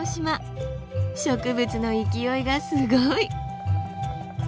植物の勢いがすごい！